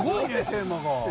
テーマが。